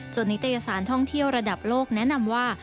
นิตยสารท่องเที่ยวระดับโลกแนะนำว่า